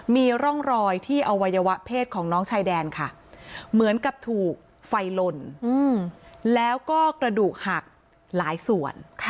มีร่องรอยที่อวัยวะเพศของน้องชายแดนค่ะเหมือนกับถูกไฟลนแล้วก็กระดูกหักหลายส่วน